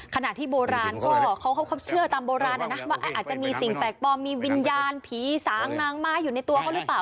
ขณะที่โบราณก็เขาเชื่อตามโบราณนะว่าอาจจะมีสิ่งแปลกปลอมมีวิญญาณผีสางนางม้าอยู่ในตัวเขาหรือเปล่า